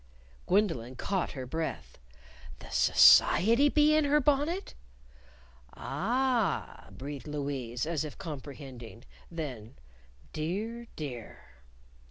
Gwendolyn caught her breath. The society bee in her bonnet? "Ah!" breathed Louise, as if comprehending. Then, "Dear! dear!"